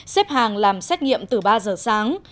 xếp hàng làm xét nghiệm từ ba giờ sáng